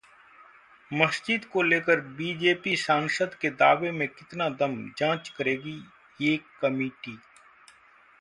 मस्जिद को लेकर बीजेपी सांसद के दावे में कितना दम? जांच करेगी ये कमेटी